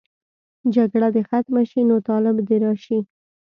جګړه دې ختمه شي، نو طالب دې راشي.